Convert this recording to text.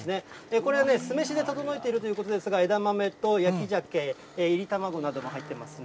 これはね、酢飯で整えているということですが、枝豆と焼きジャケ、いり卵などが入っていますね。